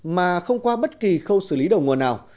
mà không qua bất kỳ khâu xử lý đầu nguồn nào